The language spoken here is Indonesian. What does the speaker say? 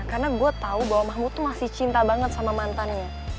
karena gue tau bahwa mahmud tuh masih cinta banget sama mantannya